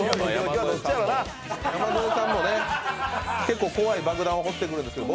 山添さんも結構怖い爆弾を放ってくるんですけど。